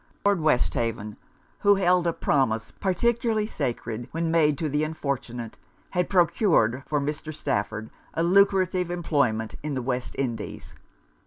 Lord Westhaven, who held a promise particularly sacred when made to the unfortunate, had procured for Mr. Stafford a lucrative employment in the West Indies.